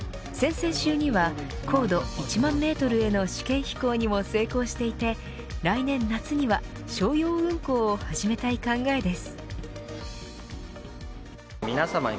先々週には高度１万メートルへの試験飛行にも成功していて来年夏には商用運航を始めたい考えです。